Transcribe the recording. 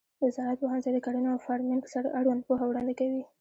د زراعت پوهنځی د کرنې او فارمینګ سره اړوند پوهه وړاندې کوي.